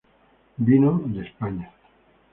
Vinos de España.